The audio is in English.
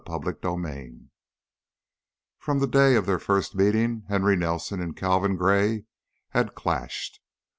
CHAPTER XVI From the day of their first meeting, Henry Nelson and Calvin Gray had clashed.